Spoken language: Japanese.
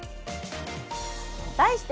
題して。